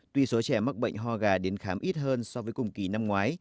tuy số trẻ em mắc bệnh hô gà đến khám ít hơn so với cùng kỳ năm ngoái